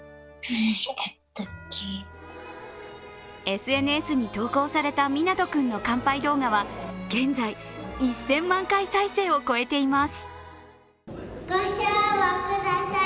ＳＮＳに投稿されたみなと君の乾杯動画は現在１０００万回再生を超えています。